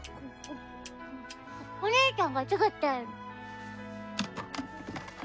お姉ちゃんが作ってん。